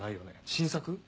新作？